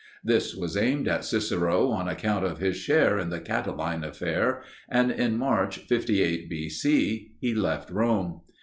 This was aimed at Cicero on account of his share in the Catiline affair, and in March, 58 B. C., he left Rome.